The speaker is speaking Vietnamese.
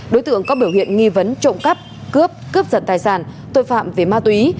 đối tượng có biểu hiện nghi vấn trộm cắp cướp cướp giật tài sản tội phạm về ma túy